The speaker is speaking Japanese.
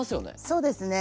そうですね。